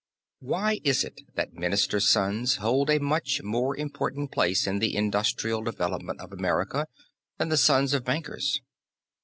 Why is it that ministers' sons hold a much more important place in the industrial development of America than the sons of bankers?